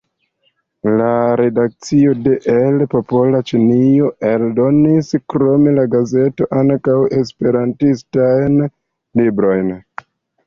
La redakcio de "El Popola Ĉinio" eldonis, krom la gazeto, ankaŭ esperantajn librojn.